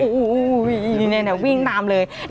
โอ้โหนี่วิ่งตามเลย